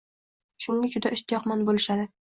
Shunga juda ishtiyoqmand bo‘lishadi.